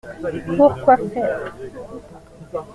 Pour quoi faire ?